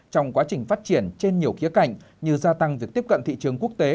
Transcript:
trong quá trình phát triển trên nhiều khía cạnh như gia tăng việc tiếp cận thị trường quốc tế